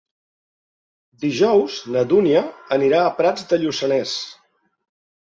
Dijous na Dúnia anirà a Prats de Lluçanès.